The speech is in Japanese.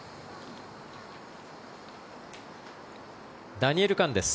ダニエル・カンです。